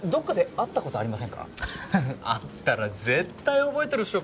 会ったら絶対覚えてるっしょ